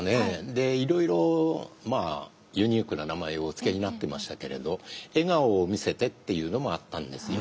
でいろいろユニークな名前をお付けになってましたけれどエガオヲミセテっていうのもあったんですよ。